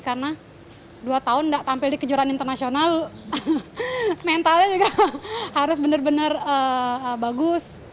karena dua tahun tidak tampil di kejuaraan internasional mentalnya juga harus benar benar bagus